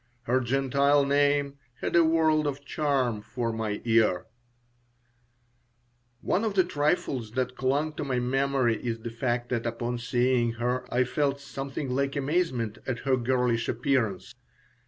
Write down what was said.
Her Gentile name had a world of charm for my ear One of the trifles that clung to my memory is the fact that upon seeing her I felt something like amazement at her girlish appearance.